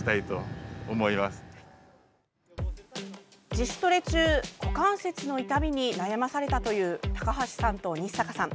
自主トレ中股関節の痛みに悩まされたという高橋さんと日坂さん。